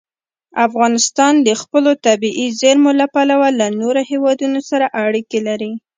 افغانستان د خپلو طبیعي زیرمو له پلوه له نورو هېوادونو سره اړیکې لري.